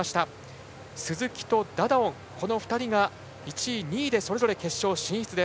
鈴木とダダオンこの２人が１位、２位でそれぞれ決勝進出。